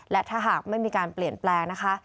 และถ้าหากไม่มีการเปลี่ยนแปลงนะคะ